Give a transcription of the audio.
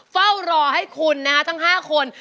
เฝ้ารอให้คุณนะฮะทั้ง๕คน